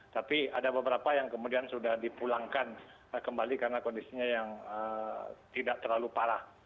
tapi ada beberapa yang kemudian sudah dipulangkan kembali karena kondisinya yang tidak terlalu parah